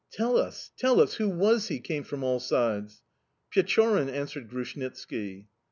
"Tell us, tell us, who was he?" came from all sides. "Pechorin," answered Grushnitski.